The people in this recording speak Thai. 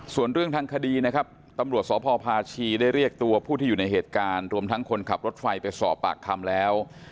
ส่วนเรื่องทางคดีนะครับตำรวจสพพาชีได้เรียกตัวผู้ที่อยู่ในเหตุการณ์รวมทั้งคนขับรถไฟไปสอบปากคำแล้ว